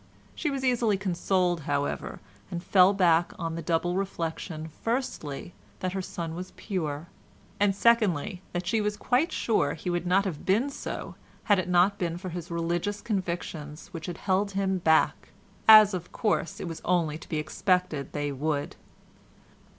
She was easily consoled, however, and fell back on the double reflection, firstly, that her son was pure, and secondly, that she was quite sure he would not have been so had it not been for his religious convictions which had held him back—as, of course, it was only to be expected they would.